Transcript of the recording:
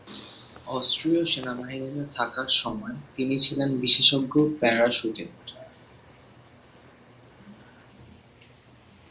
অস্ট্রীয় সেনাবাহিনীতে থাকার সময়ই তিনি ছিলেন বিশেষজ্ঞ প্যারাস্যুটিস্ট।